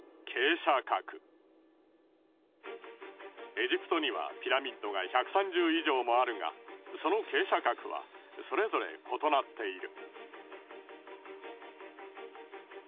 エジプトにはピラミッドが１３０以上もあるがその傾斜角はそれぞれ異なっている。